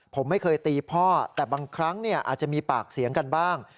ผมไม่เคยตีพ่อแต่บางครั้งอาจจะมีปากเสียงกันบ้าง